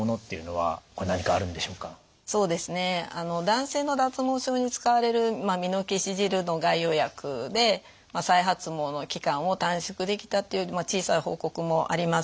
男性の脱毛症に使われるミノキシジルの外用薬で再発毛の期間を短縮できたという小さい報告もあります。